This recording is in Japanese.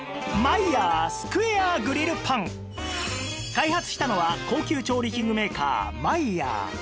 開発したのは高級調理器具メーカー ＭＥＹＥＲ